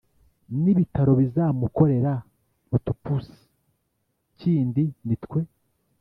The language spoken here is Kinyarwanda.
ntabitaro bizamukorera otopusi kindi nitwe"